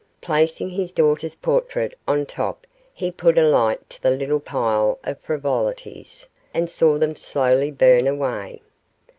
Placing his daughter's portrait on top he put a light to the little pile of frivolities, and saw them slowly burn away.